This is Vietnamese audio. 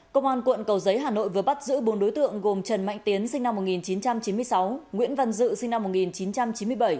công an quận cầu giấy hà nội vừa bắt giữ bốn đối tượng gồm trần mạnh tiến sinh năm một nghìn chín trăm chín mươi sáu nguyễn văn dự sinh năm một nghìn chín trăm chín mươi bảy